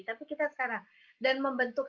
tapi kita sekarang dan membentuk